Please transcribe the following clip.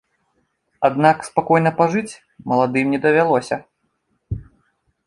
Аднак спакойна пажыць маладым не давялося.